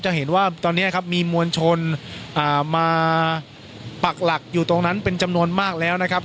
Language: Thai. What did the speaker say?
จะเห็นว่าตอนนี้ครับมีมวลชนมาปักหลักอยู่ตรงนั้นเป็นจำนวนมากแล้วนะครับ